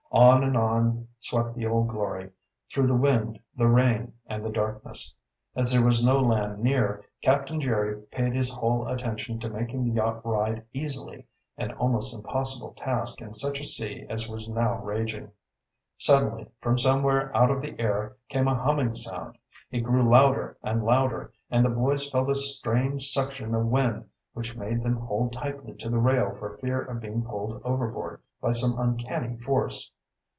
On and on swept the Old Glory, through the wind, the rain, and the darkness. As there was no land near, Captain Jerry paid his whole attention to making the yacht ride easily, an almost impossible task in such a sea as was now raging. Suddenly from somewhere out of the air came a humming sound. It grew louder and louder, and the boys felt a strange suction of wind which made them hold tightly to the rail for fear of being pulled overboard by some uncanny force.